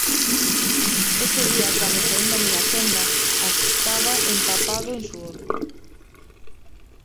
Ese día, cando saín da miña quenda, a estaba empapado en suor.